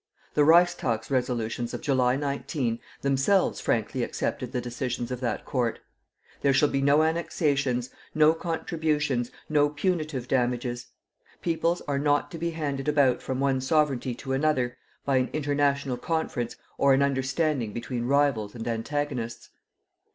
The Reichstag resolutions of July 19 themselves frankly accepted the decisions of that court. There shall be no annexations, no contributions, no punitive damages. Peoples are not to be handed about from one sovereignty to another by an international conference or an understanding between rivals and antagonists.